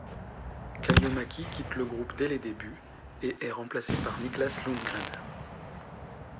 Kalliomäki quitte le groupe dès les débuts, et est remplacé par Niklas Lundgren.